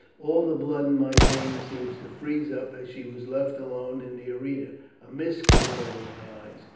All the blood in my veins seemed to freeze up as she was left alone in the arena. A mist came over my eyes.